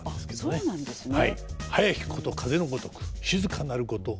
あっそうなんですね。